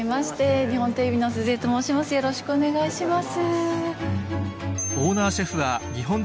よろしくお願いします。